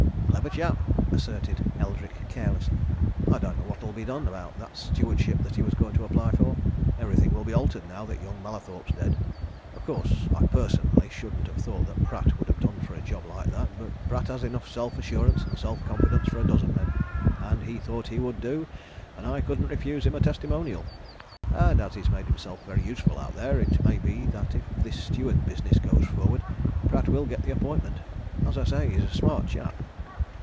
"Clever chap," asserted Eldrick, carelessly. "I don't know what'll be done about that stewardship that he was going to apply for. Everything will be altered now that young Mallathorpe's dead. Of course, I, personally, shouldn't have thought that Pratt would have done for a job like that, but Pratt has enough self assurance and self confidence for a dozen men, and he thought he would do, and I couldn't refuse him a testimonial. And as he's made himself very useful out there, it may be that if this steward business goes forward, Pratt will get the appointment. As I say, he's a smart chap."